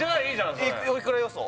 それおいくら予想？